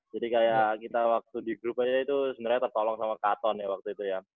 jadi kayak kita waktu di grup itu sebenernya tertolong sama katon ya waktu itu ya